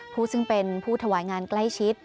ผู้ซึ่งเป็นผู้ถวายงานใกล้ชิด